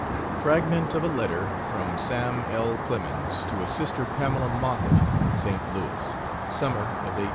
Fragment of a letter from Sam L. Clemens to his sister Pamela Moffett, in St. Louis, summer of 1853: ...